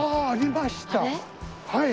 はい。